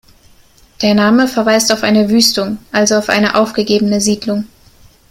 Der Name verweist auf eine Wüstung, also auf eine aufgegebene Siedlung.